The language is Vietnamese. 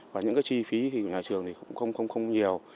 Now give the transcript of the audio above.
và những cái chi phí thì nhà trường thì cũng không nhiều